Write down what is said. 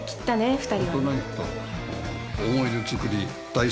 ２人は。